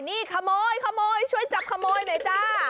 ดูหน่อยนี่ขโมยช่วยจับขโมยหน่อยจ้า